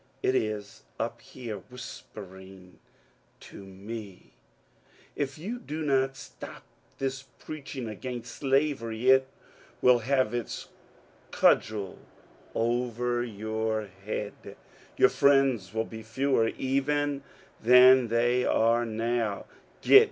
It is up here whispering to me, " If you do not stop this preaching against Slavery, it will have its cudgel over your head, — your friends will be fewer even than they are now."